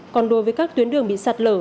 còn đối với các tuyến đường bị sạt lở